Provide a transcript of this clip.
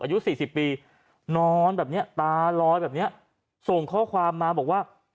อายุ๔๐ปีนอนแบบนี้ตาร้อยแบบนี้ส่งข้อความมาบอกว่า